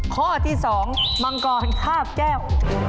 ข้อที่๒มังกรคาบแก้ว